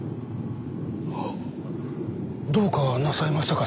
どうかなさいましたか？